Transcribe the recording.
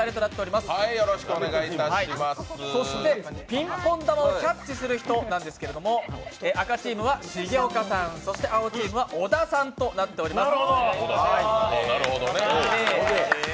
ピンポン玉をキャッチする人ですが赤チームは重岡さん、青チームは小田さんとなっております。